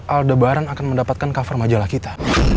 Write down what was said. aldebaran akan mendapatkan cover majalah kita